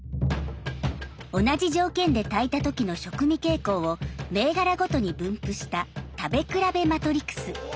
同じ条件で炊いた時の食味傾向を銘柄ごとに分布した食べ比べマトリクス。